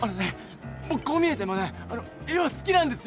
僕こう見えてもねあの絵は好きなんですよ。